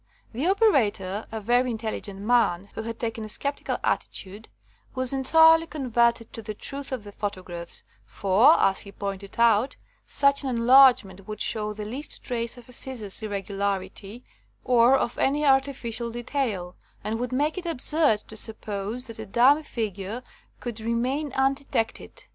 The operator, a very intelligent man who had taken a sceptical attitude, was entirely converted to the truth of the photo graphs, for, as he pointed out, such an en largement would show the least trace of a scissors irregularity or of any artificial de tail, and would make it absurd to suppose that a dummy figure could remain unde tected.